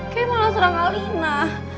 kayak malah serang alina